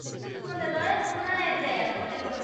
Sus fundadores fueron el Dr.